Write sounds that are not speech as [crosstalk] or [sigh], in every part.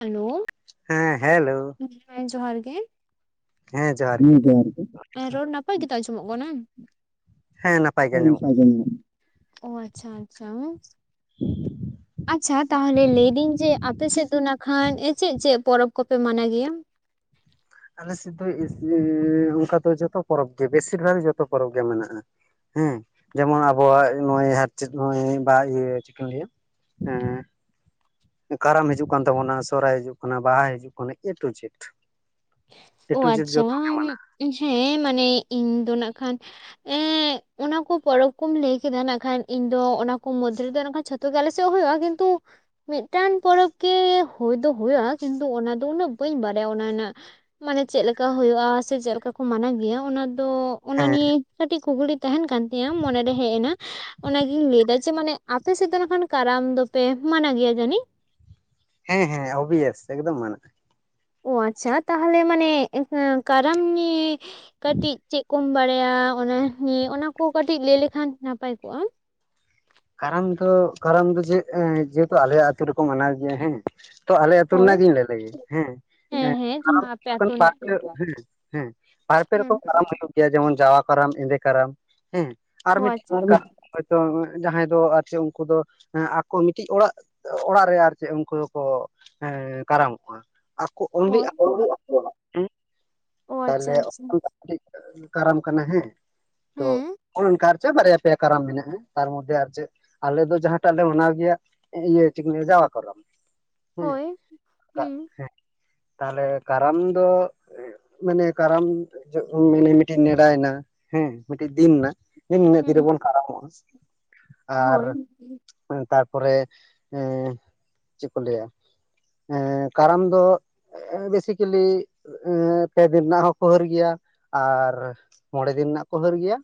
Hello ᱦᱮᱸ hello ᱦᱮᱸ ᱡᱚᱦᱟᱨ ᱜᱮ ᱦᱩᱸᱢ ᱡᱚᱦᱟᱨ ᱜᱮ ᱨᱚᱲ ᱱᱟᱯᱟᱭ ᱜᱮᱛᱚ ᱟᱸᱡᱚᱢᱚᱜ ᱠᱟᱱᱟ ᱦᱮᱸ ᱱᱟᱯᱟᱭ ᱜᱮ ᱟᱸᱡᱚᱢᱚᱜ [unintelligible] ᱚ ᱟᱪᱪᱷᱟ ᱟᱪᱪᱷᱟ ᱟᱪᱪᱷᱟ ᱛᱟᱦᱚᱞᱮ ᱞᱟᱹᱭᱫᱟᱹᱧ ᱡᱮ ᱟᱯᱮ ᱥᱮᱜ ᱫᱚ ᱱᱟᱜ ᱠᱷᱟᱱ ᱪᱮᱫ ᱪᱮᱫ ᱯᱚᱨᱚᱵᱽ ᱠᱚᱯᱮ ᱢᱟᱱᱟ ᱜᱮᱭᱟ ᱟᱞᱮᱥᱮᱫ ᱫᱚ ᱚᱱᱠᱟ ᱫᱚ ᱡᱚᱛᱚ ᱯᱚᱨᱚᱵᱽ ᱜᱮ ᱵᱮᱥᱤᱨ ᱵᱷᱟᱜᱽ ᱡᱚᱛᱚ ᱯᱚᱨᱚᱵᱽ ᱜᱮ ᱢᱮᱱᱟᱜᱼᱟ ᱦᱮᱸ ᱡᱮᱢᱚᱱ ᱟᱵᱚᱣᱟᱜ ᱱᱚᱜᱚᱭ [unintelligible] ᱵᱟ ᱤᱭᱟᱹ ᱪᱮᱫ ᱠᱚ ᱞᱟᱹᱭᱟ ᱮᱸ ᱠᱟᱨᱟᱢ ᱦᱤᱡᱩᱜ ᱠᱟᱱ ᱛᱟᱵᱚᱱᱟ ᱥᱚᱦᱨᱟᱭ ᱦᱤᱡᱩᱜ ᱠᱟᱱᱟ ᱵᱟᱦᱟᱭ ᱦᱤᱡᱩᱜ ᱠᱟᱱᱟ ᱮ ᱴᱩ ᱡᱮᱴ ᱮ ᱚ ᱴᱩ ᱡᱮᱴ ᱟᱪᱪᱷᱟ ᱡᱚᱛᱚ ᱜᱮ ᱢᱟᱱᱟᱜ ᱦᱮᱸ ᱢᱟᱱᱮ ᱤᱧ ᱫᱚ ᱱᱟᱜ ᱠᱷᱟᱱ ᱮ ᱚᱱᱟ ᱠᱚ ᱯᱚᱨᱚᱵᱽ ᱠᱚᱢ ᱞᱟᱹᱭ ᱠᱮᱫᱟ ᱱᱟᱜ ᱠᱷᱟᱱ ᱤᱧ ᱫᱚ ᱚᱱᱟ ᱠᱚ ᱢᱚᱫᱽᱫᱷᱮ ᱨᱮᱫᱚᱷ ᱡᱚᱛᱚ ᱜᱮ ᱟᱠᱮ ᱥᱮᱫ ᱦᱩᱭᱩᱜᱼᱟ ᱠᱤᱱᱛᱩ ᱢᱤᱫᱴᱟᱱ ᱯᱚᱨᱚᱵᱽ ᱜᱮ ᱦᱩᱭ ᱫᱚ ᱦᱩᱭᱩᱜᱼᱟ ᱠᱤᱱᱛᱩ ᱚᱱᱟ ᱫᱚ ᱩᱱᱟᱹᱜ ᱵᱟᱹᱧ ᱵᱟᱲᱟᱭᱟ ᱚᱱᱟ ᱨᱮᱱᱟᱜ ᱢᱟᱱᱮ ᱪᱮᱫ ᱞᱮᱠᱟ ᱦᱩᱭᱩᱜᱼᱟ ᱥᱮ ᱪᱮᱫᱠᱟ ᱠᱚ ᱢᱟᱱᱟ ᱜᱮᱭᱟ ᱚᱱᱟ ᱫᱚ ᱚᱱᱟ ᱦᱮᱸ ᱱᱤᱭᱮ ᱠᱟᱹᱴᱤᱡ ᱠᱩᱠᱞᱤ ᱛᱟᱦᱮᱱ ᱠᱟᱱ ᱛᱤᱧᱟᱹ ᱢᱚᱱᱮᱨᱮ ᱦᱮᱡ ᱮᱱᱟ ᱚᱱᱟᱜᱤᱧ ᱞᱟᱹᱭ ᱮᱫᱟ ᱡᱮ ᱢᱟᱱᱮ ᱟᱯᱮ ᱥᱮᱫ ᱫᱚ ᱱᱟᱠᱷᱟᱱ ᱠᱟᱨᱟᱢ ᱫᱚᱯᱮ ᱢᱟᱱᱟ ᱜᱮᱭᱟ ᱡᱟᱹᱱᱤᱡ ᱦᱮᱸ ᱦᱮᱸ ᱚᱵᱤᱭᱥ ᱮᱠᱫᱚᱢ ᱢᱟᱱ ᱚ ᱟᱪᱪᱷᱟ ᱛᱟᱦᱚᱞᱮ ᱢᱟᱱᱮ ᱠᱟᱨᱟᱢ ᱱᱤᱭᱮ ᱠᱟᱹᱴᱤᱡ ᱪᱮᱫ ᱠᱚ ᱠᱚᱢ ᱵᱟᱲᱟᱭᱟ ᱚᱱᱟ ᱱᱤᱭᱮ ᱚᱱᱟ ᱠᱚ ᱠᱟᱹᱴᱤᱡ ᱞᱟᱹᱭ ᱞᱮᱠᱷᱟᱱ ᱱᱟᱯᱟᱭ ᱠᱚᱜᱼᱟ ᱠᱟᱨᱟᱢ ᱫᱚ ᱠᱟᱨᱟᱢ ᱫᱚ ᱡᱮ ᱡᱮᱦᱮᱛᱩ ᱟᱞᱮᱭᱟᱜ ᱟᱹᱛᱩ ᱨᱮᱠᱚ ᱢᱟᱱᱟᱣ ᱜᱮᱭᱟ ᱦᱮᱸ ᱛᱚ ᱟᱞᱮ ᱟᱹᱛᱩ ᱦᱳᱭ ᱨᱮᱱᱟᱜ ᱜᱤᱧ ᱞᱟᱹᱭ ᱞᱮᱜᱮ ᱦᱮᱸ ᱦᱮᱸ ᱡᱟᱦᱟᱸ ᱟᱯᱮ ᱟᱛᱳ ᱨᱮᱱᱟᱜ ᱵᱟᱨᱮ ᱦᱮᱸ ᱦᱮᱸ ᱵᱟᱨᱯᱮ ᱦᱮᱸ ᱨᱚᱠᱚᱢ ᱠᱟᱨᱟᱢ ᱦᱩᱭᱩᱜ ᱡᱮᱢᱚᱱ ᱡᱟᱣᱟ ᱠᱟᱨᱟᱢ ᱮᱸᱫᱮ ᱠᱟᱨᱟᱢ ᱦᱮᱸ ᱟᱨ ᱚ ᱢᱤᱫᱴᱮ ᱟᱪᱪᱷᱟ [unintelligible] ᱡᱟᱦᱟᱸᱭ ᱫᱚ ᱟᱨ ᱠᱤ ᱩᱱᱠᱩ ᱫᱚ ᱟᱠᱚ ᱢᱤᱫᱴᱤᱡ ᱚᱲᱟᱜ ᱚᱲᱟᱜ ᱨᱮ ᱟᱨ ᱪᱮᱫ ᱩᱱᱠᱩ ᱫᱚᱠᱚ ᱠᱟᱨᱟᱢᱚᱜᱼᱟ ᱟᱠᱚ ᱚᱱᱞᱤ ᱟᱠᱚ ᱦᱳᱭ [unintelligible] ᱚ ᱟᱪᱪᱷᱟ ᱛᱟᱦᱚᱞᱮ ᱟᱪᱪᱷᱟ ᱴᱤᱡ ᱠᱟᱨᱟᱢ ᱠᱟᱱᱟ ᱦᱮᱸ ᱛᱚ ᱦᱮᱸ ᱚᱱᱠᱟ ᱟᱨ ᱪᱮᱫ ᱵᱟᱨᱭᱟ ᱯᱮᱭᱟ ᱠᱟᱨᱟᱢ ᱢᱮᱱᱟᱜᱼᱟ ᱛᱟᱨ ᱢᱚᱫᱽᱫᱷᱮ ᱟᱨ ᱪᱮᱫ ᱟᱞᱮ ᱫᱚ ᱡᱟᱦᱟᱸᱴᱟᱜ ᱞᱮ ᱢᱟᱱᱟᱣ ᱜᱮᱭᱟ ᱤᱨᱟᱹ ᱪᱮ ᱠᱚ ᱞᱟᱹᱭ ᱜᱮᱭᱟ ᱮ ᱡᱟᱣᱟ ᱠᱚᱨᱚᱢ ᱦᱮᱸ ᱦᱳᱭ ᱦᱩᱸ ᱦᱮᱸ ᱛᱟᱦᱞᱮ ᱠᱟᱨᱟᱢ ᱫᱚ ᱢᱟᱱᱮ ᱠᱟᱨᱟᱢ ᱢᱟᱱᱮ ᱢᱤᱫᱴᱮᱱ ᱱᱮᱰᱟᱭᱱᱟ ᱦᱮᱸ ᱢᱤᱫᱴᱮᱱ ᱫᱤᱱ ᱮᱱᱟ ᱡᱮ ᱱᱤᱭᱟᱹ ᱫᱤᱱ ᱦᱩᱸ ᱨᱮᱵᱚᱱ ᱠᱷᱟᱨᱢᱚᱜᱼᱟ ᱟᱨ ᱦᱳᱭ ᱛᱟᱨᱯᱚᱨᱮ ᱪᱮᱫ ᱠᱚ ᱞᱟᱹᱭᱟ ᱮᱸ ᱠᱟᱨᱟᱢ ᱫᱚ ᱵᱮᱥᱤᱠᱮᱞᱤ ᱯᱮ ᱫᱤᱱ ᱨᱮᱱᱟᱜ ᱦᱚᱸᱠᱚ ᱦᱟᱹᱨ ᱜᱮᱭᱟ ᱟᱨ ᱢᱚᱬᱮ ᱫᱤᱱ ᱨᱮᱱᱟᱜ ᱠᱚ ᱦᱟᱹᱨ ᱜᱮᱭᱟ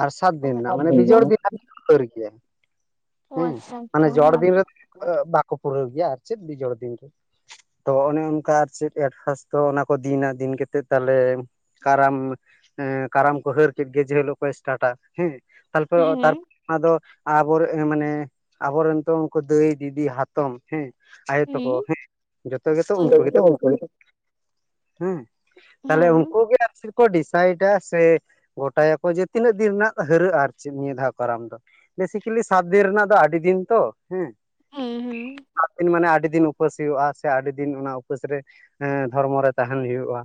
ᱟᱨ ᱥᱟᱛ ᱚ ᱫᱤᱱ ᱨᱮᱱᱟᱜ ᱢᱟᱱᱮ ᱵᱤᱡᱳᱚᱲ ᱫᱤᱱ ᱦᱟᱹᱨ ᱜᱮᱭᱟ ᱚ ᱦᱮᱸ ᱟᱪᱪᱷᱟ ᱢᱟᱱᱮ ᱟᱪᱪᱷᱟ ᱡᱚᱲ ᱦᱮᱸ ᱫᱤᱱ ᱨᱮᱫᱚ ᱵᱟᱠᱚ ᱯᱩᱨᱟᱹᱣ ᱜᱮᱭᱟ ᱟᱨ ᱪᱮᱫ ᱵᱤᱡᱚᱲ ᱫᱤᱱ ᱨᱮ ᱛᱚ ᱚᱱᱮ ᱚᱱᱠᱟ ᱟᱨ ᱪᱮᱫ ᱮᱴᱯᱷᱟᱥ ᱛᱚ ᱚᱱᱟ ᱠᱚ ᱫᱤᱱᱟ ᱫᱤᱱ ᱠᱟᱛᱮᱫ ᱛᱟᱦᱚᱞᱮ ᱠᱟᱨᱟᱢ ᱮ ᱠᱟᱨᱟᱢ ᱠᱚ ᱦᱟᱹᱨ ᱠᱮᱫ ᱜᱮ ᱡᱮᱦᱤᱞᱳᱜ ᱠᱚ ᱥᱴᱟᱴᱟ ᱦᱮᱸ ᱛᱟᱨᱯᱚᱨ ᱦᱮᱸ [unintelligible] ᱟᱫᱚ ᱟᱵᱚᱨᱮᱱ ᱢᱟᱱᱮ ᱟᱵᱚᱨᱮᱱ ᱛᱚ ᱩᱱᱠᱩ ᱫᱟᱹᱭ ᱫᱤᱫᱤ ᱦᱟ ᱛᱚᱢ ᱦᱮᱸ ᱟᱭᱳ ᱛᱟᱠᱚ ᱦᱮᱸ ᱡᱚᱛᱚ ᱜᱮᱛᱚ ᱩᱱᱠᱩ ᱜᱮᱛᱚ ᱠᱚ ᱦᱮᱸ ᱦᱮᱸ ᱛᱟᱦᱞᱮ ᱩᱱᱠᱩ ᱜᱮ ᱟᱨ ᱰᱤᱥᱟᱭᱤᱴᱟ ᱥᱮ ᱜᱚᱴᱟᱭᱟᱠᱚ ᱡᱮ ᱛᱤᱱᱟᱹᱜ ᱫᱤᱱ ᱨᱮᱱᱟᱜ ᱦᱟᱹᱨᱟᱹᱜᱼᱟ ᱪᱮ ᱱᱤᱭᱟᱹ ᱫᱷᱟᱣ ᱠᱟᱨᱟᱢ ᱫᱚ ᱵᱮᱥᱤᱠᱮᱞᱤ ᱥᱟᱛ ᱫᱤᱱ ᱨᱮᱱᱟᱜ ᱫᱚ ᱟᱹᱰᱤ ᱫᱤᱱ ᱛᱚ ᱦᱮᱸ ᱦᱮᱸ ᱦᱮᱸ ᱥᱟᱛ ᱫᱤᱱ ᱢᱟᱱᱮ ᱟᱰᱤ ᱫᱤᱱ ᱩᱯᱟᱹᱥ ᱦᱩᱭᱩᱜᱼᱟ ᱥᱮ ᱟᱹᱰᱤ ᱫᱤᱱ ᱚᱱᱟ ᱩᱯᱟᱹᱥ ᱨᱮ ᱫᱷᱚᱨᱢᱚ ᱨᱮ ᱛᱟᱦᱮᱱ ᱦᱩᱭᱩᱜᱼᱟ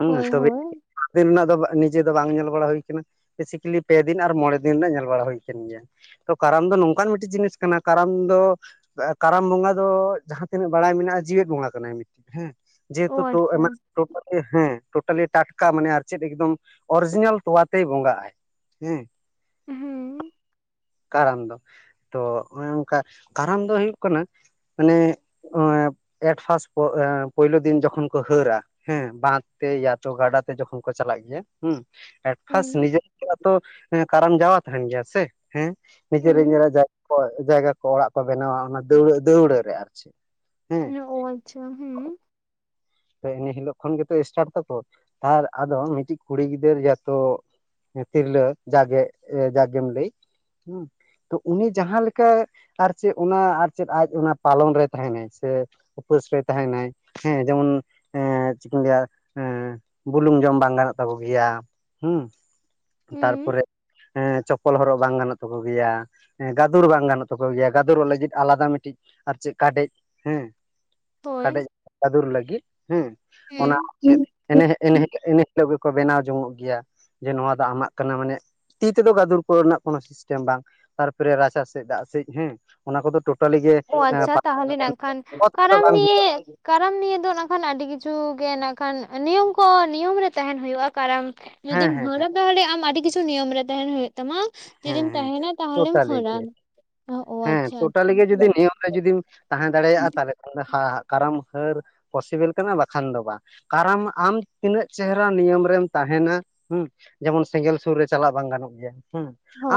ᱦᱮᱸ ᱦᱳᱭ ᱛᱚᱵᱮ ᱦᱳᱭ [unintelligible] ᱫᱤᱱ ᱨᱮᱱᱟᱜ ᱫᱚ ᱱᱤᱡᱮ ᱫᱚ ᱵᱟᱝ ᱧᱮᱞ ᱵᱟᱲᱟ ᱦᱩᱭ ᱠᱟᱱᱟ ᱵᱮᱥᱤᱠᱮᱞᱤ ᱯᱮ ᱫᱤᱱ ᱟᱨ ᱢᱚᱬᱮ ᱫᱤᱱ ᱫᱤᱱ ᱨᱮᱭᱟᱜ ᱧᱮᱞ ᱵᱟᱲᱟ ᱦᱩᱭ ᱠᱟᱱ ᱜᱮᱭᱟ ᱛᱚ ᱠᱟᱨᱟᱢ ᱫᱚ ᱱᱚᱝᱠᱟᱱ ᱢᱤᱫᱴᱮᱱ ᱡᱤᱱᱤᱥ ᱠᱟᱱᱟ ᱠᱟᱨᱟᱢ ᱫᱚ ᱠᱟᱨᱟᱢ ᱵᱚᱸᱜᱟ ᱫᱚ ᱡᱟᱦᱟᱸ ᱛᱤᱱᱟᱹᱜ ᱵᱟᱲᱟᱭ ᱢᱮᱱᱟᱜᱼᱟ [unintelligible] ᱵᱚᱸᱜᱟ ᱠᱟᱱᱟᱭ ᱢᱤᱫᱴ ᱦᱮᱸ ᱚ ᱡᱮᱦᱮᱛᱩ ᱟᱪᱪᱷᱟ ᱮᱢᱟᱱᱛᱩ [unintelligible] ᱦᱮᱸ ᱴᱳᱴᱟᱞᱤ ᱴᱟᱴᱠᱟ ᱢᱟᱱᱮ ᱟᱨ ᱪᱮᱫ ᱮᱠᱫᱚᱢ ᱚᱨᱤᱡᱤᱱᱟᱞ ᱛᱚᱣᱟ ᱛᱮᱭ ᱵᱚᱸᱜᱟ ᱟᱭ ᱦᱮᱸ ᱦᱩᱸ ᱠᱟᱨᱟᱢ ᱫᱚ ᱛᱚ ᱚᱱᱮ ᱚᱱᱠᱟ ᱠᱟᱨᱟᱢ ᱫᱚ ᱦᱩᱭᱩᱜ ᱠᱟᱱᱟ ᱢᱟᱱᱮᱻ ᱮᱴ ᱯᱷᱟᱥᱯ ᱯᱩᱭᱞᱩ ᱫᱤᱱ ᱡᱚᱠᱷᱚᱱ ᱠᱚ ᱦᱟᱹᱨᱟ ᱦᱮᱸ ᱵᱟᱸᱫ ᱛᱮ ᱭᱟᱛᱚ ᱜᱟᱰᱟ ᱛᱮ ᱡᱚᱠᱷᱚᱱ ᱠᱚ ᱪᱟᱞᱟᱜ ᱜᱮᱭᱟ ᱦᱩᱸ [unintelligible] ᱯᱷᱟᱥ ᱦᱮᱸ ᱱᱤᱡᱮᱨ ᱛᱚᱣᱟ ᱛᱚ ᱠᱟᱨᱟᱱ ᱡᱟᱣᱟ ᱛᱟᱦᱮᱱ ᱜᱮᱭᱟ ᱥᱮ ᱦᱮᱸ ᱱᱤᱡᱮᱨ ᱦᱮᱸ ᱧᱮᱞᱟᱨ ᱡᱟᱭᱜᱟ ᱡᱟᱭᱜᱟᱠᱚ ᱚᱲᱟᱜ ᱠᱚ ᱵᱮᱱᱟᱣᱟ ᱚᱱᱟ ᱫᱟᱹᱣᱲᱟᱹ ᱫᱟᱹᱣᱲᱟᱹ ᱨᱮ ᱟᱨ ᱪᱮᱫ ᱦᱮᱸ ᱚ ᱟᱪᱪᱷᱟ ᱦᱮᱸ ᱮᱱᱟᱹ ᱦᱤᱞᱳᱜ ᱠᱷᱚᱱ ᱜᱮᱛᱚ ᱮᱥᱴᱟᱴ ᱛᱟᱠᱚ ᱟᱨ ᱟᱫᱚ ᱢᱤᱫᱴᱤᱡ ᱠᱩᱲᱤ ᱜᱤᱫᱽᱟᱨ ᱭᱟ ᱛᱚ ᱛᱤᱨᱞᱟᱹ ᱡᱟᱜᱮ ᱡᱟᱜᱜᱮᱢ ᱞᱟᱹᱭ ᱦᱩᱸ ᱛᱚ ᱩᱱᱤ ᱡᱟᱦᱟᱸ ᱞᱮᱠᱟᱭ ᱟᱨ ᱪᱮᱫ ᱚᱱᱟ ᱟᱨ ᱪᱮᱫ ᱟᱡ ᱚᱱᱟ ᱯᱟᱞᱚᱱ ᱨᱮ ᱛᱟᱦᱮᱱᱟᱭ ᱥᱮᱻ ᱩᱯᱟᱹᱥ ᱨᱮ ᱛᱟᱦᱮᱱᱟᱭ ᱦᱮᱸ ᱡᱮᱢᱚᱱ ᱦᱮᱸ ᱪᱮᱫ ᱤᱧ ᱞᱟᱹᱭᱟ ᱦᱮ ᱵᱩᱞᱩᱝ ᱡᱚᱢ ᱵᱟᱝ ᱜᱟᱱᱚᱜ ᱛᱟᱠᱚ ᱜᱮᱭᱟ ᱦᱩᱸ ᱦᱩᱸ ᱛᱟᱨᱯᱚᱨᱮᱸ ᱪᱚᱯᱚᱞ ᱦᱚᱨᱚᱜ ᱵᱟᱝ ᱜᱟᱱᱚᱜᱻ ᱛᱟᱠᱚ ᱜᱮᱭᱟ ᱜᱟᱫᱩᱨ ᱵᱟᱝ ᱜᱟᱱᱚᱜ ᱛᱟᱠᱚ ᱜᱮᱭᱟ ᱜᱟᱫᱩᱨᱚᱜ ᱞᱟᱹᱜᱤᱫ ᱟᱞᱟᱫᱟ ᱢᱤᱫᱴᱤᱡ ᱟᱨ ᱪᱮᱫ ᱠᱟᱰᱮᱡ ᱦᱮᱸ ᱦᱳᱭ ᱠᱟᱰᱮᱡ ᱜᱟᱫᱩᱨ ᱞᱟᱹᱜᱤᱫ ᱦᱮᱸ ᱚᱱᱟ ᱦᱩᱸ ᱪᱮᱫ ᱮᱱᱮ ᱮᱱᱮ ᱮᱱᱮᱦᱤᱞᱳᱜᱮᱻ ᱠᱚ ᱵᱮᱱᱟᱣ ᱡᱚᱝᱚᱜ ᱜᱮᱭᱟ ᱡᱮ ᱱᱚᱣᱟ ᱫᱚ ᱟᱢᱟᱜ ᱠᱟᱱᱟ ᱢᱟᱱᱮ ᱛᱤ ᱛᱮᱫᱚ ᱜᱟᱫᱩᱨ ᱠᱚᱨᱮᱱᱟᱜ ᱠᱚᱱᱚ ᱥᱤᱥᱴᱮᱢ ᱵᱟᱝ ᱛᱟᱨᱯᱚᱨᱮ ᱨᱟᱪᱟ ᱥᱮᱫ ᱫᱟᱜ ᱥᱮᱡ ᱦᱮᱸ ᱚᱱᱟ ᱠᱚᱫᱚ ᱴᱚ [unintelligible] ᱚ ᱟᱪᱪᱷᱟ ᱛᱟᱦᱚᱞᱮ ᱱᱟᱜ ᱠᱷᱟᱱ ᱚᱛ ᱨᱮᱫᱚ ᱠᱟᱨᱟᱢ ᱵᱟᱝ ᱦᱩᱭᱩᱜ ᱱᱤᱭᱮᱻ ᱠᱟᱨᱟᱢ ᱱᱤᱭ ᱫᱚ ᱱᱟᱜ ᱠᱷᱟᱱ ᱟᱹᱰᱤ ᱠᱤᱪᱷᱩ ᱜᱮ ᱱᱟᱜ ᱠᱷᱟᱱ ᱱᱤᱭᱚᱢ ᱠᱚ ᱱᱤᱭᱚᱢ ᱨᱮ ᱛᱟᱦᱮᱱ ᱦᱩᱭᱩᱜᱼᱟ ᱠᱟᱨᱟᱢ ᱦᱮᱸ ᱡᱩᱫᱤᱢ ᱦᱮᱸ ᱦᱟᱹᱬᱟᱹ ᱫᱟᱲᱮᱭᱟᱜᱼᱟ ᱟᱢ ᱟᱹᱰᱤ ᱠᱤᱪᱷᱩ ᱱᱤᱭᱚᱢ ᱨᱮ ᱛᱟᱦᱮᱱ ᱦᱩᱭᱩᱜ ᱛᱟᱢᱟ ᱦᱮᱸ ᱡᱩᱫᱤᱢ ᱦᱮᱸ ᱛᱟᱦᱮᱱᱟ ᱛᱟᱦᱚᱞᱮᱢ ᱴᱳᱴᱟᱞᱤ ᱜᱮ ᱦᱚᱞᱟᱢ ᱦᱟᱹᱨᱟᱢ ᱚ ᱟᱪᱪᱷᱟ ᱟᱪᱪᱷᱟ ᱟᱨ ᱡᱩᱫᱤᱢ ᱛᱟᱦᱮᱸ ᱫᱟᱲᱮᱭᱟᱜᱼᱟ ᱛᱟᱦᱚᱞᱮ ᱠᱷᱟᱱᱫᱚ ᱠᱟᱨᱟᱢ ᱦᱟᱹᱨ ᱯᱚᱥᱤᱵᱮᱞ ᱠᱟᱱᱟ ᱵᱟᱠᱷᱟᱱ ᱫᱚ ᱵᱟᱝ ᱠᱟᱨᱚᱱ ᱟᱢ ᱛᱤᱱᱟᱹᱜ ᱪᱮᱦᱨᱟ ᱱᱤᱭᱚᱢ ᱨᱮᱢ ᱛᱟᱦᱮᱱᱟ ᱦᱩᱸ ᱡᱮᱢᱚᱱ ᱥᱮᱸᱜᱮᱞ ᱥᱩᱨ ᱨᱮ ᱪᱟᱞᱟᱜ ᱵᱟᱝ ᱜᱟᱱᱚᱜ ᱜᱮᱭᱟ ᱦᱩᱸ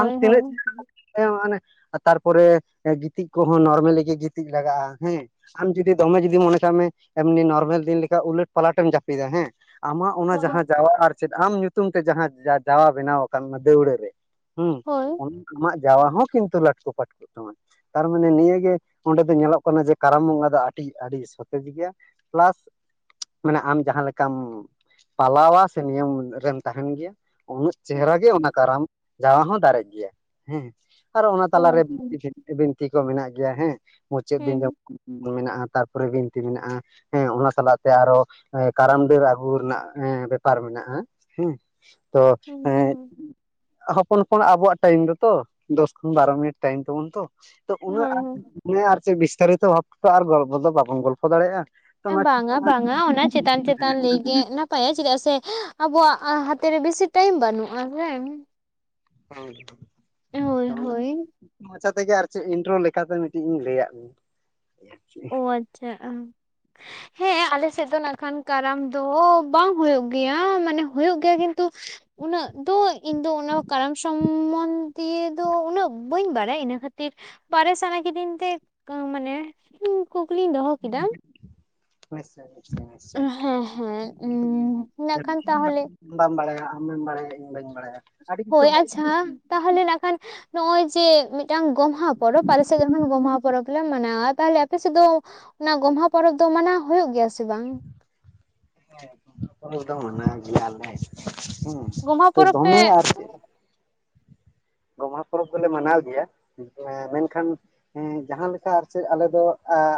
ᱟᱢ ᱦᱳᱭ ᱛᱤᱱᱟᱹᱜ ᱟᱮᱸ ᱟᱱᱮ ᱛᱟᱨᱯᱚᱨᱮ ᱜᱤᱛᱤᱡ ᱠᱚᱦᱚᱸ ᱱᱚᱨᱢᱮᱞᱤ ᱜᱮ ᱜᱤᱛᱤᱡ ᱞᱟᱜᱟᱜᱼᱟ ᱦᱮᱸ ᱟᱢ ᱡᱩᱫᱤ ᱫᱚᱢᱮ ᱡᱩᱫᱤ ᱢᱚᱱᱮ ᱠᱟᱜ ᱢᱮ ᱮᱢᱱᱤ ᱱᱚᱨᱢᱮᱞ ᱫᱤᱱ ᱞᱮᱠᱟ ᱩᱞᱟᱹᱴ ᱯᱟᱞᱟᱴᱮᱢ ᱡᱟᱯᱤᱫᱮᱫᱟ ᱦᱮᱸ ᱟᱢᱟᱜ ᱚᱱᱟ ᱦᱳᱭ ᱡᱟᱦᱟᱸ ᱡᱟᱣᱟ ᱟᱨ ᱪᱮᱫ ᱟᱢ ᱧᱩᱛᱩᱢ ᱛᱮ ᱡᱟᱦᱟᱸ ᱡᱟᱣᱟ ᱵᱮᱱᱟᱣ ᱟᱠᱟᱱ ᱚᱱᱟ ᱫᱟᱹᱣᱲᱟᱹ ᱨᱮ ᱦᱩᱸ ᱦᱳᱭ ᱟᱢᱟᱜ ᱡᱟᱣᱟ ᱦᱚᱸ ᱠᱤᱱ ᱛᱩᱞᱟᱴ ᱞᱚᱴᱠᱩ ᱠᱮ ᱛᱟᱡᱟ ᱛᱟᱨᱢᱟᱱᱮ ᱱᱤᱭᱟᱹᱜᱮ ᱚᱸᱰᱮ ᱫᱚ ᱧᱮᱞᱚᱜ ᱠᱟᱱᱟ ᱡᱮ ᱠᱟᱨᱟᱢ ᱵᱚᱸᱜᱟ ᱫᱚ ᱟᱹᱰᱤ ᱟᱹᱰᱤ ᱥᱚᱛᱮ ᱜᱮᱭᱟ ᱯᱞᱟᱥ ᱢᱟᱱᱮ ᱟᱢ ᱡᱟᱦᱟᱸ ᱞᱮᱠᱟᱢ ᱯᱟᱞᱟᱣᱟ ᱥᱮ ᱱᱤᱭᱚᱢ ᱨᱮᱢ ᱛᱟᱦᱮᱱ ᱜᱮᱭᱟ ᱩᱱᱟᱹᱜ ᱪᱮᱦᱨᱟ ᱜᱮ ᱚᱱᱟ ᱠᱟᱨᱟᱢ ᱡᱟᱣᱟ ᱦᱚᱸ ᱫᱟᱨᱮᱜ ᱜᱮᱭᱟ ᱦᱮᱸ ᱟᱨᱚ ᱚᱱᱟ ᱳ ᱛᱟᱞᱟᱨᱮ ᱟᱪᱪᱷᱟ [unintelligible] ᱪᱮᱫ ᱵᱤᱱᱛᱤ ᱠᱚ ᱢᱮᱱᱟᱜ ᱜᱮᱭᱟ ᱦᱮᱸ ᱢᱩᱪᱟᱹᱫ ᱫᱤᱱ ᱦᱩᱸ ᱢᱮᱱᱟᱜᱼᱟ ᱛᱟᱨᱯᱚᱨᱮ ᱵᱤᱱᱛᱤ ᱢᱮᱱᱟᱜᱼᱟ ᱦᱮᱸ ᱚᱱᱟ ᱥᱟᱞᱟᱜ ᱛᱮ ᱟᱨᱚ ᱠᱟᱨᱟᱢ ᱰᱟᱹᱨ ᱟᱹᱜᱩ ᱨᱮᱱᱟᱜ ᱮ ᱵᱮᱯᱟᱨ ᱢᱮᱱᱟᱜᱼᱟ ᱦᱮᱸ ᱛᱚ ᱦᱩᱸ ᱮ ᱦᱩᱸ ᱦᱚᱯᱚᱱ ᱦᱚᱯᱚᱱ ᱟᱵᱚᱣᱟᱜ ᱴᱟᱭᱤᱢ ᱫᱚᱛᱚ ᱫᱚᱥ ᱠᱷᱚᱱ ᱵᱟᱨᱚ ᱢᱤᱱᱤᱴ ᱴᱟᱭᱤᱢ ᱛᱟᱵᱚᱱ ᱛᱚ ᱩᱱᱟᱹᱜ ᱦᱳᱭ ᱦᱳᱭ ᱢᱟᱱᱮ ᱟᱨ ᱪᱮᱫ ᱵᱤᱥᱛᱟᱨᱤ ᱛᱮ ᱵᱷᱚᱠᱛᱟ ᱟᱨ ᱜᱚᱞᱯᱚ ᱫᱚ ᱵᱟᱵᱚᱱ ᱜᱚᱞᱯᱚ ᱫᱟᱲᱮᱭᱟᱜᱼᱟ ᱛᱚ ᱚᱱᱟ ᱵᱟᱝᱟ ᱵᱟᱝᱟ ᱚᱱᱟ ᱪᱮᱛᱟᱱ ᱪᱮᱛᱟᱱ ᱞᱟᱹᱭ ᱜᱮ [unintelligible] ᱱᱯᱟᱭᱟ ᱪᱮᱫᱟᱜ ᱥᱮ ᱟᱵᱚᱣᱟᱜ ᱦᱟᱛᱮ ᱨᱮ ᱵᱮᱥᱤ ᱴᱟᱭᱤᱢ ᱵᱟᱹᱱᱩᱜᱼᱟ ᱦᱮᱸ ᱦᱚᱭ ᱛᱚ ᱦᱳᱭ ᱦᱳᱭ [unintelligible] ᱢᱚᱪᱟ ᱛᱮᱜᱮ ᱟᱨ ᱪᱮᱫ ᱤᱱᱨᱳ ᱞᱮᱠᱟᱛᱮ ᱢᱤᱫᱴᱤᱡ ᱤᱧ ᱞᱟᱹᱭᱟᱫ ᱢᱮᱭᱟ ᱚ ᱟᱪᱪᱷᱟ [unintelligible] ᱦᱮᱸ ᱟᱞᱮ ᱥᱮᱫ ᱫᱚ ᱱᱟᱜ ᱠᱷᱟᱱ ᱠᱟᱨᱟᱢ ᱫᱚ ᱵᱟᱝ ᱦᱩᱭᱩᱜ ᱜᱮᱭᱟ ᱢᱟᱱᱮ ᱦᱩᱭᱩᱜ ᱜᱮᱭᱟ ᱠᱤᱱᱛᱩ ᱩᱱᱟᱹᱜ ᱫᱚ ᱤᱧ ᱫᱚ ᱚᱱᱟ ᱠᱟᱨᱟᱢ ᱥᱚᱢᱚᱱᱫᱤᱭᱟᱹ ᱟᱫᱚ ᱩᱱᱟᱹᱜ ᱵᱟᱹᱧ ᱵᱟᱲᱟᱭᱟ ᱤᱱᱟᱹ ᱠᱷᱟᱹᱛᱤᱨ ᱵᱟᱲᱟᱭ ᱥᱟᱱᱟ ᱠᱤᱫᱤᱧ ᱛᱮ ᱢᱟᱱᱮᱼᱼ ᱤᱧ ᱠᱩᱠᱞᱤᱧ ᱫᱚᱦᱚ ᱠᱮᱫᱟ ᱱᱤᱥᱪᱚᱭ ᱦᱮᱸ ᱦᱮᱸ ᱢᱮᱱᱟᱜ ᱠᱷᱟᱱ ᱛᱟᱦᱚᱞᱮ ᱵᱟᱢ ᱵᱟᱲᱟᱭᱟ ᱟᱢᱮᱢ ᱵᱟᱲᱟᱭᱟ ᱤᱧ ᱵᱟᱹᱧ ᱵᱟᱲᱟᱭᱟ ᱟᱹᱰᱤ ᱠᱤᱪᱷᱩ ᱦᱳᱭ ᱟᱪᱪᱷᱟ ᱛᱟᱦᱚᱞᱮ ᱱᱟᱜ ᱠᱷᱟᱱ ᱱᱚᱜᱼᱚᱭ ᱡᱮ ᱢᱤᱫᱴᱟᱝ ᱜᱚᱢᱦᱟ ᱯᱚᱨᱚᱵᱽ ᱟᱞᱮ ᱥᱮᱫ ᱜᱚᱢᱦᱟ ᱯᱚᱨᱚᱵᱽ ᱞᱮ ᱢᱟᱱᱟᱣᱟ ᱛᱟᱦᱚᱞᱮ ᱟᱯᱮᱥᱮᱫ ᱫᱚ ᱚᱱᱟ ᱜᱚᱢᱦᱟ ᱯᱚᱨᱚᱵᱽ ᱫᱚ ᱢᱟᱱᱟᱣ ᱦᱩᱭᱩᱜ ᱜᱮᱭᱟ ᱥᱮ ᱵᱟᱝ? ᱦᱮᱸ ᱚᱱᱟ ᱫᱚ ᱢᱟᱱᱟᱣ ᱜᱮᱭᱟᱞᱮ ᱾ ᱦᱩᱸ, ᱜᱚᱢᱦᱟ ᱛᱚ ᱯᱚᱨᱚᱵᱽ ᱯᱮ ᱫᱚᱢᱮ ᱟᱨ ᱪᱮᱫ ᱜᱚᱢᱦᱟ ᱯᱚᱨᱚᱵᱽ ᱫᱚᱞᱮ ᱢᱟᱱᱟᱣ ᱜᱮᱭᱟ ᱢᱮᱱᱠᱷᱟᱱ ᱡᱟᱦᱟᱸ ᱞᱮᱠᱟ ᱟᱨ ᱪᱮᱫ ᱟᱞᱮ ᱫᱚ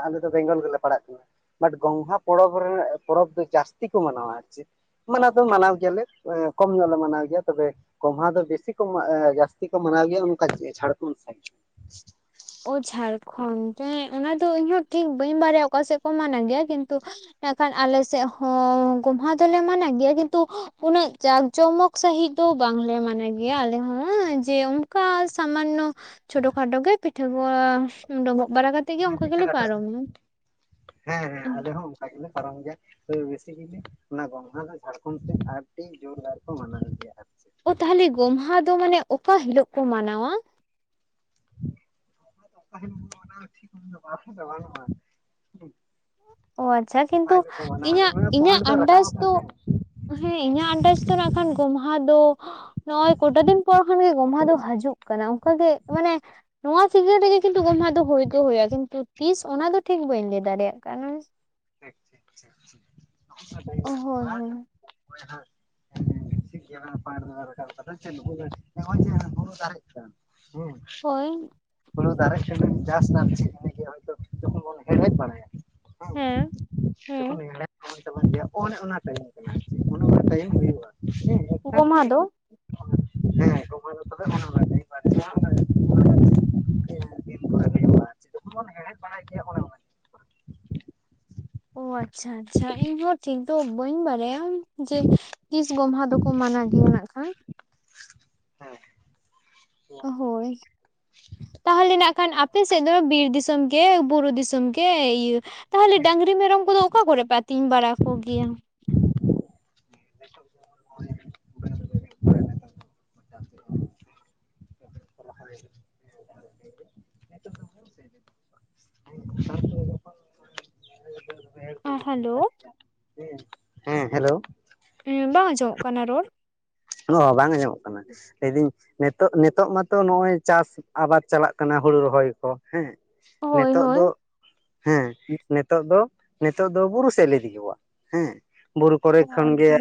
ᱟᱞᱮ ᱫᱚ ᱵᱮᱝᱜᱚᱞ ᱜᱮᱞᱮ ᱯᱟᱲᱟᱜ ᱠᱟᱱᱟ ᱵᱟᱴ ᱜᱚᱢᱦᱟ ᱯᱚᱨᱚᱵᱽ ᱨᱮᱱᱟᱜ ᱯᱚᱨᱚᱵᱽ ᱫᱚ ᱡᱟᱹᱥᱛᱤ ᱠᱚ ᱢᱟᱱᱟᱣᱟ ᱟᱨ ᱪᱮᱫ ᱢᱟᱱᱟᱣ ᱫᱚ ᱢᱟᱱᱟᱣ ᱜᱮᱭᱟᱞᱮ ᱠᱚᱢ ᱧᱚᱜ ᱞᱮ ᱢᱟᱱᱟᱣ ᱜᱮᱭᱟ ᱛᱚᱵᱮ ᱜᱚᱢᱦᱟ ᱫᱚ ᱵᱮᱥᱤ ᱠᱚᱢ ᱡᱟᱹᱥᱛᱤ ᱡᱟᱹᱥᱛᱤ ᱠᱚ ᱢᱟᱱᱟᱣ ᱜᱮᱭᱟ ᱚᱱᱠᱟ ᱡᱷᱟᱲᱠᱷᱚᱸᱰ ᱥᱟᱭᱤᱰ ᱚ ᱡᱷᱟᱲᱠᱷᱚᱸᱰ ᱦᱮᱸ ᱚᱱᱟ ᱫᱚ ᱤᱧᱦᱚᱸ ᱴᱷᱤᱠ ᱵᱟᱹᱧ ᱵᱟᱲᱟᱭᱟ ᱚᱠᱟ ᱥᱮᱫ ᱠᱚ ᱢᱟᱱᱟᱣ ᱜᱮᱭᱟ ᱠᱤᱱᱛᱩ ᱢᱮᱱᱠᱷᱟᱱ ᱟᱞᱮ ᱥᱮᱫ ᱦᱚᱸ ᱜᱚᱢᱦᱟ ᱫᱚᱞᱮ ᱢᱟᱱᱟᱣ ᱜᱮᱭᱟ ᱠᱤᱱᱛᱩ ᱩᱱᱟᱹᱜ ᱡᱟᱠ ᱡᱚᱢᱚᱠ ᱥᱟᱺᱦᱤᱡ ᱫᱚ ᱵᱟᱝᱞᱮ ᱢᱟᱱᱟᱣ ᱜᱮᱭᱟ ᱟᱞᱮ ᱦᱚᱸ ᱡᱮ ᱚᱱᱠᱟ ᱥᱟᱢᱟᱱᱱᱚ ᱪᱷᱚᱴᱳ ᱠᱷᱟᱴᱚ ᱜᱮ ᱯᱤᱴᱷᱟᱹ ᱠᱚ ᱰᱳᱢᱵᱚᱜ ᱵᱟᱲᱟ ᱠᱟᱛᱮᱜ ᱜᱮ ᱚᱱᱠᱟ ᱜᱮᱞᱮ ᱦᱮᱴᱟᱜ ᱯᱟᱨᱚᱢᱟ ᱦᱮᱸ ᱦᱮᱸ ᱟᱞᱮ ᱦᱚᱸ ᱚᱱᱠᱟ ᱜᱮᱞᱮ ᱯᱟᱨᱚᱢ ᱜᱮᱭᱟ᱾ ᱵᱮᱥᱤ ᱡᱩᱫᱤ ᱚᱱᱟ ᱜᱚᱢᱦᱟ ᱫᱚ ᱡᱷᱟᱲᱠᱷᱚᱸᱱᱰ ᱥᱮᱫ ᱟᱹᱰᱤ ᱡᱳᱨᱫᱟᱨ ᱠᱚ ᱢᱟᱱᱟᱣ ᱜᱮᱭᱟ᱾ ᱪᱮᱫ ᱚ ᱛᱟᱦᱚᱞᱮ ᱜᱚᱢᱦᱟ ᱫᱚ ᱢᱟᱱᱮ ᱚᱠᱟ ᱦᱤᱞᱚᱜ ᱠᱚ ᱢᱟᱱᱟᱣᱟ? ᱴᱷᱤᱠᱟᱹᱱ ᱵᱟᱹᱱᱩᱜᱼᱟ ᱚ ᱟᱪᱪᱷᱟ ᱚᱠᱟ ᱠᱤᱱᱛᱩ ᱦᱤᱞᱳᱜ ᱠᱚ ᱢᱟᱱᱟᱣᱟ ᱤᱧᱟᱹᱜ ᱚᱱᱟ ᱤᱧᱟᱹᱜ ᱯᱚᱭᱮᱱᱴ ᱫᱚ ᱨᱟᱠᱟᱵ ᱟᱱᱫᱟᱥ ᱟᱠᱟᱱ ᱫᱚ ᱦᱮᱸ᱾ ᱦᱮᱸ ᱤᱧᱟᱹᱜ ᱟᱱᱫᱟᱡᱽ ᱫᱚ ᱱᱟᱜ ᱠᱷᱟᱱ ᱜᱚᱢᱦᱟ ᱫᱚ ᱱᱚᱜᱼᱚᱭ ᱠᱳᱴᱟ ᱫᱤᱱ ᱯᱚᱨ ᱠᱷᱚᱱ ᱜᱮ ᱜᱚᱢᱦᱟ ᱫᱚ ᱦᱤᱡᱩᱜ ᱠᱟᱱᱟ ᱚᱱᱠᱟᱜᱮ ᱢᱟᱱᱮ ᱱᱚᱣᱟ ᱥᱤᱡᱚᱱ ᱨᱮᱜᱮ ᱠᱤᱱᱛᱩ ᱜᱚᱢᱦᱟ ᱫᱚ ᱦᱩᱭ ᱫᱚ ᱦᱩᱭᱩᱜᱼᱟ ᱠᱤᱱᱛᱩ ᱛᱤᱥ ᱚᱱᱟᱫᱚ ᱴᱷᱤᱠ ᱵᱟᱹᱧ ᱞᱟᱹᱭ ᱫᱟᱲᱮᱭᱟᱜ ᱠᱟᱱᱟ᱾ ᱴᱷᱤᱠ ᱴᱷᱤᱠ ᱴᱷᱤᱠ ᱚ ᱦᱳᱭ ᱦᱳᱭ [unintelligible] ᱚᱠᱚᱭ ᱦᱟᱸᱜ ᱦᱮᱸ ᱴᱷᱤᱠ ᱜᱮᱭᱟ ᱯᱟᱴ ᱫᱚᱞᱮ ᱨᱟᱠᱟᱵ ᱠᱟᱫᱟ ᱱᱚᱜᱼᱚᱭ ᱡᱮ ᱦᱩᱲᱩ ᱫᱟᱨᱮᱜ ᱠᱟᱱᱟ ᱦᱩᱸ ᱦᱳᱭ ᱦᱩᱲᱩ ᱫᱟᱨᱮᱜ ᱠᱟᱱᱟ ᱪᱟᱥ ᱱᱟᱜ ᱡᱚᱠᱷᱚᱱ ᱵᱚᱱ ᱦᱮᱲᱦᱮᱫ ᱵᱟᱲᱟᱭᱟ ᱦᱮᱸ [unintelligible] ᱦᱮᱸ ᱡᱚᱠᱷᱚᱱ ᱦᱮᱲᱦᱮᱫ ᱛᱟᱵ ᱜᱮᱭᱟ ᱚᱱᱮ ᱚᱱᱟ ᱛᱟᱭᱚᱢ ᱠᱟᱱᱟ ᱚᱱᱮ ᱚᱱᱟ ᱛᱟᱭᱤᱢ ᱦᱩᱭᱩᱜᱼᱟ ᱦᱮᱸ ᱜᱚᱢᱦᱟ ᱫᱚ ᱦᱮᱸ ᱜᱚᱢᱦᱟ ᱫᱚ ᱛᱚᱵᱮ ᱚᱱᱮ ᱴᱟᱭᱤᱢ ᱟᱨ ᱡᱟᱦᱟᱸ ᱚᱱᱟ ᱫᱤᱱ ᱠᱚᱨᱮ ᱦᱩᱭᱩᱜᱼᱟ ᱡᱚᱠᱷᱚᱱ ᱵᱚᱱ ᱦᱮᱲᱦᱮᱫ ᱵᱟᱲᱟᱭ ᱜᱮᱭᱟ ᱚᱱᱮ ᱚᱱᱟ ᱦᱮᱸ ᱚ ᱟᱪᱪᱷᱟ ᱟᱪᱪᱷᱟ ᱤᱧᱦᱚᱸ ᱴᱷᱤᱠ ᱫᱚ ᱵᱟᱹᱧ ᱵᱟᱲᱟᱭᱟ ᱡᱮ ᱛᱤᱥ ᱜᱚᱢᱦᱟ ᱫᱚᱠᱚ ᱢᱟᱱᱟ ᱜᱮᱭᱟ ᱱᱟᱜ ᱠᱷᱟᱱ? ᱦᱮᱸ ᱦᱳᱭ ᱛᱟᱦᱚᱞᱮ ᱱᱟᱜ ᱠᱷᱟᱱ ᱟᱯᱮ ᱥᱮᱫ ᱫᱚ ᱵᱤᱨ ᱫᱤᱥᱚᱢ ᱜᱮ ᱵᱩᱨᱩ ᱫᱤᱥᱚᱢ ᱜᱮ ᱤᱭᱟᱹ ᱛᱟᱦᱚᱞᱮ ᱰᱟᱝᱨᱤ ᱢᱮᱨᱚᱢ ᱠᱚᱫᱚ ᱚᱠᱟ ᱠᱚᱨᱮ ᱯᱮ ᱟᱹᱛᱤᱧ ᱵᱟᱲᱟ ᱠᱚᱜᱮᱭᱟ᱾ [unintelligible] [unintelligible] ᱦᱮᱸ ᱦᱮᱞᱳ ᱦᱮᱸ ᱦᱮᱸ ᱦᱮᱞᱳ ᱦᱮᱸ ᱵᱟᱝ ᱟᱸᱡᱚᱢᱚᱜ ᱠᱟᱱᱟ ᱨᱚᱲ ᱚ ᱦᱚ ᱵᱟᱝ ᱟᱸᱡᱚᱢᱚᱜ ᱠᱟᱱᱟ ᱞᱟᱹᱭᱫᱟᱹᱧ ᱱᱤᱛᱚᱜ ᱱᱤᱛᱚᱜ ᱢᱟᱛᱚ ᱱᱚᱜᱼᱚᱭ ᱪᱟᱥ ᱟᱵᱟᱫᱽ ᱪᱟᱞᱟᱜ ᱠᱟᱱᱟ ᱦᱩᱲᱩ ᱨᱚᱦᱚᱭ ᱠᱚ᱾ ᱦᱮᱸ ᱦᱳᱭ ᱱᱤᱛᱚᱜ ᱦᱳᱭ ᱫᱚ ᱦᱮᱸ ᱱᱤᱛᱚᱜ ᱫᱚ ᱱᱤᱛᱚᱜ ᱫᱚ ᱵᱩᱨᱩ ᱥᱮᱫ ᱤᱫᱮ ᱠᱚᱣᱟ ᱦᱮᱸ ᱵᱩᱨᱩ ᱠᱚᱨᱮ ᱚ ᱠᱷᱚᱱ ᱜᱮ ᱟᱪᱪᱷᱟ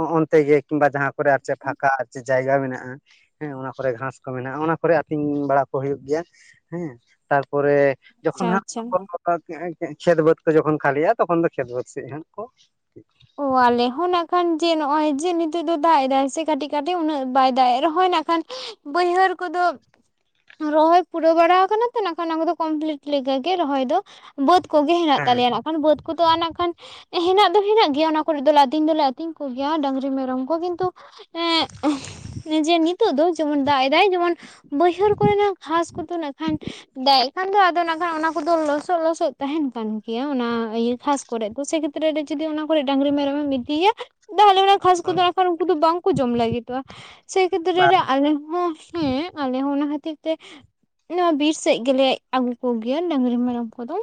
ᱚᱼᱚᱱᱛᱮ ᱜᱮ ᱠᱤᱢᱵᱟ ᱡᱟᱦᱟᱸ ᱠᱚᱨᱮ ᱟᱨ ᱪᱮᱫ ᱯᱷᱟᱠᱟ ᱟᱨ ᱪᱮᱫ ᱡᱟᱭᱜᱟ ᱢᱮᱱᱟᱜᱼᱟ᱾ ᱦᱮᱸ ᱚᱱᱟ ᱠᱚᱨᱮ ᱜᱷᱟᱥ ᱠᱚ ᱢᱮᱱᱟᱜᱼᱟ ᱚᱱᱟ ᱠᱚᱨᱮ ᱟᱹᱛᱤᱧ ᱵᱟᱲᱟ ᱠᱚ ᱦᱩᱭᱩᱜ ᱜᱮᱭᱟ᱾ ᱦᱮᱸ ᱛᱟᱨᱯᱚᱨᱮ ᱡᱚᱠᱷᱚᱱ ᱦᱟᱸᱜ ᱟᱪᱪᱷᱟ ᱟᱪᱪᱷᱟ [unintelligible] ᱠᱷᱮᱛ ᱵᱟᱹᱫᱽ ᱠᱚ ᱡᱚᱠᱷᱚᱱ ᱠᱷᱟᱹᱞᱤᱜᱼᱟ ᱛᱚᱠᱷᱚᱱ ᱫᱚ ᱠᱷᱮᱛ ᱵᱟᱹᱫᱽ ᱥᱮᱡ ᱦᱟᱸᱜ ᱠᱚ ᱚ ᱟᱞᱮ ᱦᱚᱸ ᱱᱟᱜ ᱠᱷᱟᱱ ᱡᱮ ᱱᱚᱜᱼᱚᱭ ᱡᱮ ᱱᱤᱛᱚᱜ ᱫᱚ ᱫᱟᱜ ᱮᱫᱟᱭ ᱥᱮ ᱠᱟᱹᱴᱤᱡ ᱠᱟᱹᱴᱤᱡ ᱩᱱᱟᱹᱜ ᱵᱟᱭ ᱫᱟᱜᱮᱫ ᱨᱮᱦᱚᱸᱭ ᱱᱟᱜ ᱠᱷᱟᱱ ᱵᱟᱹᱭᱦᱟᱹᱲ ᱠᱚᱫᱚ ᱨᱚᱦᱚᱭ ᱯᱩᱨᱟᱹᱣ ᱵᱟᱲᱟ ᱟᱠᱟᱱᱟ ᱛᱚ ᱱᱟᱜ ᱠᱷᱟᱱ ᱚᱱᱟ ᱠᱚᱫᱚ ᱠᱚᱢᱯᱞᱤᱴ ᱞᱮᱠᱟᱜᱮ ᱨᱚᱦᱚᱭ ᱫᱚ᱾ ᱵᱟᱹᱫᱽ ᱠᱚᱜᱮ ᱦᱮᱱᱟᱜ ᱦᱮᱸ ᱦᱮᱸ ᱛᱟᱞᱮᱭᱟ ᱱᱟᱜ ᱠᱷᱟᱱ ᱵᱟᱹᱫᱽ ᱠᱚᱫᱚ ᱟᱨ ᱱᱟᱜ ᱠᱷᱟᱱ ᱦᱮᱱᱟᱜ ᱫᱚ ᱦᱮᱱᱟᱜ ᱜᱮᱭᱟ ᱚᱱᱟ ᱠᱚᱨᱮ ᱫᱚᱞᱮ ᱟᱹᱛᱤᱧ ᱫᱚᱞᱮ ᱟᱹᱛᱤᱧ ᱠᱚᱜᱮᱭᱟ ᱰᱟᱝᱨᱤ ᱢᱮᱨᱚᱢ ᱠᱚ ᱠᱤᱱᱛᱩ ᱮᱸ ᱱᱤᱡᱮ ᱱᱤᱛᱳᱜ ᱫᱚ ᱡᱮᱢᱚᱱ ᱫᱟᱜ ᱮᱫᱟᱭ ᱡᱮᱢᱚᱱ ᱵᱟᱹᱭᱦᱟᱹᱲ ᱠᱚᱨᱮᱱᱟᱜ ᱜᱷᱟᱥ ᱠᱚᱫᱚ ᱱᱟᱜ ᱠᱷᱟᱱ ᱫᱟᱜ ᱮᱜ ᱠᱟᱱ ᱫᱚ ᱟᱫᱚ ᱱᱟᱜ ᱠᱷᱟᱱ ᱚᱱᱟ ᱠᱚᱫᱚ ᱞᱚᱥ ᱥᱚᱜ ᱞᱚᱥᱚᱫ ᱛᱟᱦᱮᱱ ᱠᱟᱱ ᱜᱮᱭᱟ ᱚᱱᱟ ᱤᱭᱟᱹ ᱜᱷᱟᱥ ᱠᱚᱨᱮ ᱫᱚ ᱥᱮ ᱠᱷᱮᱛᱨᱮᱹ ᱨᱮ ᱡᱩᱫᱤ ᱚᱱᱟ ᱰᱟᱝᱨᱤ ᱢᱮᱨᱚᱢ ᱮᱢ ᱤᱫᱤᱭᱟ᱾ ᱛᱟᱦᱞᱮ ᱚᱱᱟ ᱜᱷᱟᱥ ᱠᱚᱫᱚ ᱦᱟᱜ ᱠᱷᱟᱱ ᱩᱝᱠᱩ ᱫᱚ ᱵᱟᱝᱠᱚ ᱡᱚᱢ ᱞᱟᱹᱜᱤᱫᱚᱜᱼᱟ ᱥᱮ ᱠᱷᱮᱛᱨᱮ ᱵᱟᱨ ᱨᱮ ᱟᱞᱮ ᱦᱚᱸ ᱦᱮᱸ ᱟᱞᱮ ᱦᱚᱸ ᱚᱱᱟ ᱠᱷᱟᱹᱛᱤᱨ ᱛᱮ ᱱᱚᱣᱟ ᱵᱤᱨ ᱥᱮᱜ ᱜᱮᱞᱮ ᱟᱹᱜᱩ ᱠᱚᱜᱮᱭᱟ ᱰᱟᱹᱝᱨᱤ ᱢᱮᱨᱚᱢ ᱠᱚᱫᱚ᱾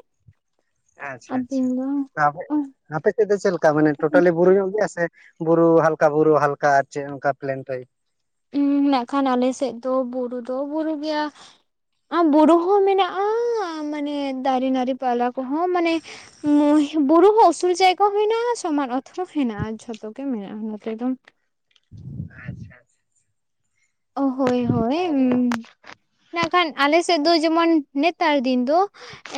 ᱟᱪᱪᱷᱟ ᱟᱨ ᱟᱪᱪᱷᱟ ᱵᱤᱧ ᱫᱚ ᱟᱵᱚ ᱟᱯᱮ ᱥᱮᱫ ᱫᱚ ᱪᱮᱫᱞᱮᱠᱟ ᱢᱟᱱᱮ ᱴᱳᱴᱟᱞᱤ ᱵᱩᱨᱩ ᱧᱚᱜ ᱜᱮᱭᱟ ᱥᱮ ᱵᱩᱨᱩ ᱦᱟᱞᱠᱟ ᱵᱩᱨᱩ ᱦᱟᱞᱠᱟ ᱟᱨ ᱪᱮᱜ ᱚᱝᱠᱟ ᱯᱞᱮᱱᱴᱟᱭᱤᱯ? ᱩᱸ ᱱᱟᱜ ᱠᱷᱟᱱ ᱟᱞᱮ ᱥᱮᱜ ᱫᱚ ᱵᱩᱨᱩ ᱫᱚ ᱵᱩᱨᱩ ᱜᱮᱭᱟ᱾ ᱟᱸ ᱵᱩᱨᱩ ᱦᱚᱸ ᱢᱮᱱᱟᱜᱼᱟ ᱟ ᱢᱟᱱᱮ ᱫᱟᱨᱮ ᱱᱟᱹᱲᱤ ᱯᱟᱞᱟ ᱠᱚᱦᱚᱸ ᱢᱟᱱᱮ ᱵᱩᱨᱩ ᱦᱚᱸ ᱩᱥᱩᱞ ᱡᱟᱭᱜᱟ ᱦᱚᱸ ᱦᱮᱱᱟᱜᱼᱟ ᱥᱚᱢᱟᱱ ᱚᱛ ᱦᱚᱸ ᱦᱮᱱᱟᱜᱼᱟ ᱡᱷᱚᱛᱚ ᱜᱮ ᱢᱮᱱᱟᱜᱼᱟ ᱱᱚᱛᱮ ᱫᱚ᱾ ᱦᱮ ᱟᱪᱪᱷᱟ ᱟᱪᱷᱟ ᱚ ᱦᱳᱭ ᱦᱳᱭ ᱱᱟᱜ ᱠᱷᱟᱱ ᱟᱞᱮᱥᱮᱫ ᱫᱚ ᱡᱮᱢᱚᱱ ᱱᱮᱛᱟᱨ ᱫᱤᱱ ᱫᱚ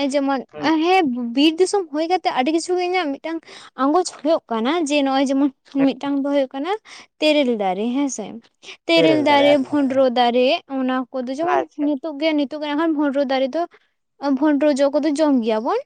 ᱮᱸ ᱡᱮᱢᱚᱱ ᱮ ᱦᱮᱸ ᱵᱤᱨ ᱫᱤᱥᱚᱢ ᱦᱳᱭ ᱠᱟᱛᱮᱜ ᱟᱹᱰᱤ ᱠᱤᱪᱷᱩ ᱜᱮ ᱤᱧᱟᱹᱜ ᱢᱤᱫᱴᱟᱝ ᱟᱸᱜᱚᱪ ᱦᱳᱭᱳᱜ ᱠᱟᱱᱟ ᱡᱮ ᱱᱚᱜᱼᱚᱭ ᱡᱮᱢᱚᱱ ᱢᱤᱫᱴᱟᱝ ᱫᱚ ᱦᱳᱭᱳᱜ ᱠᱟᱱᱟ ᱛᱮᱨᱮᱞ ᱫᱟᱨᱮ ᱦᱮᱸᱥᱮ ᱛᱮᱨᱮᱞ ᱫᱟᱨᱮ ᱵᱷᱳᱸᱰᱨᱳ ᱫᱟᱨᱮ ᱚᱱᱟ ᱠᱚᱫᱚ ᱡᱮᱢᱚᱱ ᱟᱪᱪᱷᱟ ᱱᱤᱛ ᱛᱚᱜ ᱜᱮ ᱱᱤᱛᱚᱜ ᱠᱷᱟᱱ ᱵᱷᱩᱸᱰᱨᱳ ᱫᱟᱨᱮ ᱫᱚ ᱵᱷᱩᱸᱰᱨᱳ ᱡᱚ ᱠᱚᱫᱚ ᱡᱚᱢ ᱜᱮᱭᱟ ᱵᱚᱱ᱾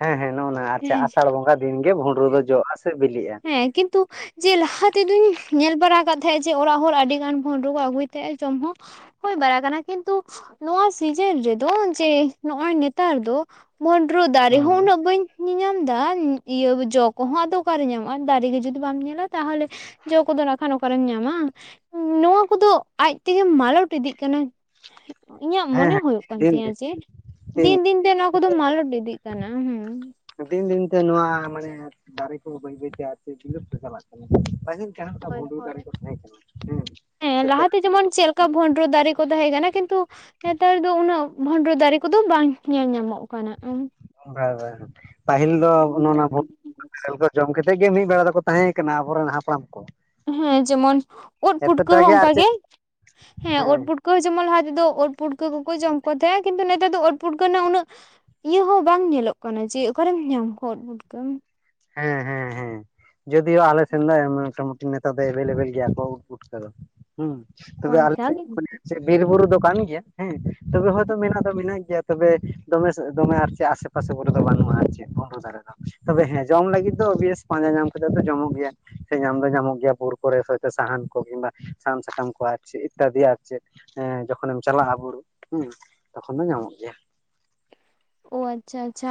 ᱦᱮᱸ ᱦᱮᱸ ᱱᱚᱜᱼᱱᱟ ᱟᱪᱪᱷᱟ ᱟᱥᱟᱲ ᱵᱚᱸᱜᱟ ᱫᱤᱱ ᱜᱮ ᱵᱷᱩᱸᱰᱨᱳ ᱫᱚ ᱡᱚᱜᱼᱟ ᱥᱮ ᱵᱤᱞᱤᱜᱼᱟ᱾ ᱦᱮᱸ ᱠᱤᱱᱛᱩ ᱡᱮ ᱞᱟᱦᱟ ᱛᱮᱫᱚᱧ ᱧᱮᱞ ᱵᱟᱲᱟ ᱠᱟᱫ ᱛᱟᱦᱮᱸᱜ ᱡᱮ ᱚᱲᱟᱜ ᱦᱚᱲ ᱟᱹᱰᱤᱜᱟᱱ ᱵᱷᱳᱸᱰᱨᱳ ᱠᱚ ᱟᱹᱜᱩᱭ ᱛᱮᱦᱮᱜ ᱡᱚᱢ ᱦᱚᱸ ᱦᱳᱭ ᱵᱟᱲᱟ ᱠᱟᱱᱟ ᱠᱤᱱᱛᱩ ᱱᱚᱣᱟ ᱥᱤᱡᱮᱱ ᱨᱮᱫᱚ ᱡᱮ ᱱᱚᱜᱼᱚᱭ ᱱᱮᱛᱟᱨ ᱫᱚ ᱵᱷᱳᱸᱰᱨᱳ ᱫᱟᱨᱮ ᱦᱚᱸ ᱦᱮᱸ ᱩᱱᱟᱹᱜ ᱵᱟᱹᱧ ᱧᱤᱧᱟᱢ ᱫᱟ ᱤᱭᱟᱹ ᱡᱚ ᱠᱚᱦᱚᱸ ᱟᱫᱚ ᱚᱠᱟᱨᱮ ᱧᱟᱢᱚᱜ? ᱟᱨ ᱫᱟᱨᱮ ᱜᱮ ᱡᱩᱫᱤ ᱵᱟᱢ ᱧᱮᱞᱟ ᱛᱟᱦᱞᱮ ᱡᱚ ᱠᱚᱫᱚ ᱱᱟᱜ ᱠᱷᱟᱱ ᱚᱠᱟᱨᱮᱢ ᱧᱟᱢᱟ? ᱱᱚᱣᱟ ᱠᱚᱫᱚ ᱟᱡ ᱛᱮᱜᱮ ᱢᱟᱞᱚᱴ ᱤᱫᱤᱜ ᱠᱟᱱᱟ᱾ ᱤᱧᱟᱹᱜ ᱢᱚᱱᱮ ᱦᱮᱸ ᱦᱳᱭᱳᱜ ᱠᱟᱱ ᱫᱤᱱ ᱛᱤᱧᱟᱹ ᱡᱮ ᱫᱤᱱ ᱫᱤᱱ ᱛᱮ ᱱᱚᱣᱟ ᱠᱚᱫᱚ ᱢᱟᱞᱚᱴ ᱤᱫᱤᱜ ᱠᱟᱱᱟ ᱦᱩᱸ᱾ ᱫᱤᱱ ᱫᱤᱱᱛᱮ ᱱᱚᱣᱟ ᱢᱟᱱᱮ ᱫᱟᱨᱮ ᱠᱚ ᱵᱟᱹᱭ ᱵᱟᱹᱭᱛᱮ ᱟᱨ [unintelligible] ᱪᱟᱞᱟᱜ ᱠᱟᱱᱟ ᱯᱟᱹᱦᱤᱞ ᱡᱟᱸᱦᱟ ᱞᱮᱠᱟ ᱦᱳᱭ ᱵᱷᱩᱸᱰᱨᱩ ᱦᱳᱭ ᱫᱟᱨᱮ ᱠᱚ ᱛᱟᱦᱮᱸ ᱠᱟᱱᱟ ᱦᱮᱸ ᱦᱮᱸ ᱥᱮ ᱛᱮᱨᱮᱞ ᱞᱟᱦᱟᱛᱮ ᱫᱟᱨᱮ ᱡᱮᱢᱚᱱ ᱠᱚ ᱪᱮᱫ ᱛᱟᱦᱮᱸ ᱞᱮᱠᱟ ᱠᱟᱱᱟ᱾ ᱵᱷᱚᱸᱰᱨᱚ ᱫᱟᱨᱮ ᱠᱚ ᱛᱟᱦᱮ ᱠᱟᱱᱟ ᱠᱤᱱᱛᱩ ᱱᱮᱛᱟᱨ ᱫᱚ ᱩᱱᱟᱹᱜ ᱵᱷᱳᱸᱰᱨᱳ ᱫᱟᱨᱮ ᱠᱚᱫᱚ ᱵᱟᱝ ᱧᱮᱞ ᱧᱟᱢᱚᱜ ᱠᱟᱱᱟ᱾ [unintelligible] ᱯᱟᱹᱦᱤᱞ ᱫᱚ ᱚᱱᱮ ᱚᱱᱟ ᱵᱷᱩ [unintelligible] ᱠᱚ ᱡᱚᱢ ᱠᱮᱛᱮᱜ ᱜᱮ ᱢᱤᱫ ᱵᱮᱲᱟ ᱫᱚᱠᱚ ᱛᱟᱦᱮᱸ ᱠᱟᱱᱟ ᱟᱵᱚᱨᱮᱱ ᱦᱟᱯᱲᱟᱢ ᱠᱚ᱾ ᱦᱮᱸ ᱡᱮᱢᱚᱱ ᱳᱫ ᱯᱩᱴᱠᱟᱹ ᱮᱛᱚᱴᱟ ᱦᱚᱸ ᱟᱨ ᱚᱝᱠᱟ ᱜᱮ ᱪᱮᱫ ᱦᱮᱸ᱾ ᱳᱫ ᱯᱩᱴᱠᱟᱹ ᱡᱮᱢᱚᱱ ᱞᱟᱦᱟ ᱛᱮᱫᱚ ᱳᱫ ᱯᱩᱴᱠᱟᱹ ᱠᱚᱠᱚ ᱡᱚᱢ ᱠᱚ ᱛᱟᱦᱮᱫ ᱠᱤᱱᱛᱩ ᱱᱮᱛᱟᱨ ᱫᱚ ᱳᱫ ᱯᱩᱴᱠᱟᱸ ᱨᱮᱱᱟᱜ ᱩᱱᱟᱹᱜ ᱤᱭᱟᱹ ᱦᱚᱸ ᱵᱟᱝ ᱧᱮᱞᱚᱜ ᱠᱟᱱᱟ ᱡᱮ ᱚᱠᱟᱨᱮᱢ ᱧᱟᱢ ᱠᱚᱶᱟ ᱳᱫ ᱯᱩᱴᱹᱠᱟ᱾ ᱦᱮᱸ ᱦᱮᱸ ᱦᱮᱸ ᱡᱚᱫᱤᱭᱳ ᱟᱞᱮ ᱥᱮᱱ ᱫᱚ ᱢᱚᱴᱟ ᱢᱩᱴᱤ ᱱᱮᱛᱟᱨ ᱫᱚ ᱮᱵᱮᱞ ᱮᱵᱮᱞ ᱜᱮᱭᱟ ᱠᱚ ᱳᱫ ᱯᱩᱴᱹᱠᱟ ᱫᱚ ᱦᱩᱸ᱾ ᱚ ᱛᱚᱵᱮ ᱟᱞᱮ ᱟᱪᱪᱷᱟ ᱥᱮᱫ [unintelligible] ᱵᱤᱨ ᱵᱩᱨᱩ ᱫᱚ ᱠᱟᱱ ᱜᱮᱭᱟ ᱦᱮᱸ ᱛᱚᱵᱮ ᱦᱚᱭᱛᱳ ᱢᱮᱱᱟᱜ ᱫᱚ ᱢᱮᱱᱟᱜ ᱜᱮᱭᱟ ᱛᱚᱵᱮ ᱫᱚᱢᱮ ᱫᱚᱢᱮ ᱟᱨ ᱪᱮᱫ ᱟᱥᱮ ᱯᱟᱥᱮ ᱠᱚᱨᱮ ᱫᱚ ᱵᱟᱹᱱᱩᱜᱼᱟ ᱟᱨ ᱪᱮᱫ [inaudible] ᱫᱟᱨᱮ ᱫᱚ ᱛᱚᱵᱮ ᱦᱮᱸ ᱡᱚᱢ ᱞᱟᱹᱜᱤᱫ ᱫᱚ ᱳᱵᱤᱭᱥ ᱯᱟᱸᱡᱟ ᱧᱟᱢ ᱠᱟᱛᱮᱫ ᱫᱚ ᱡᱚᱢᱚᱜ ᱜᱮᱭᱟ ᱥᱮ ᱧᱟᱢ ᱫᱚ ᱧᱟᱢᱚᱜ ᱜᱮᱭᱟ ᱵᱩᱨᱩ ᱠᱚᱨᱮ ᱦᱚᱭ ᱛᱚ ᱥᱟᱦᱟᱱ ᱠᱚ ᱠᱤᱢᱵᱟ ᱥᱟᱦᱟᱱ ᱥᱟᱠᱟᱢ ᱠᱚ ᱟᱨ ᱪᱮᱫ ᱤᱛᱛᱟᱫᱤ ᱟᱨ ᱪᱮᱫ ᱮᱸ ᱡᱚᱠᱷᱚᱱᱮᱢ ᱪᱟᱞᱟᱜᱼᱟ ᱵᱩᱨᱩ ᱦᱮᱸ ᱛᱚᱠᱷᱚᱱ ᱫᱚ ᱧᱟᱢᱚᱜ ᱜᱮᱭᱟ, ᱚ ᱟᱪᱪᱷᱟ ᱟᱪᱪᱷᱟ